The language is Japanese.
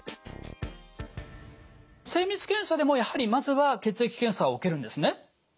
精密検査でもやはりまずは血液検査を受けるんですね？